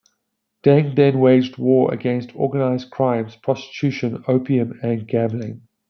Deng then waged war against organized crimes, prostitution, opium and gambling.